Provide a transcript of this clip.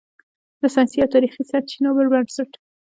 د "ساینسي او تاریخي سرچینو" پر بنسټ